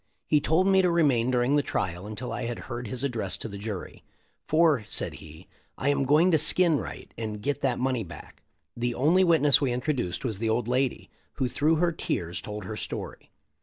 He told me to remain during the trial until I had heard his address to the jury. 'Tor," said he, "I am going to skin Wright, and get that money back." The only witness we introduced was the old lady, who through her tears told her story.